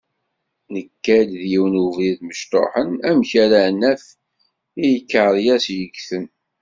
Nekka-d d yiwen webrid mecṭuḥen amek ara nanef i ikeṛyas yeggten.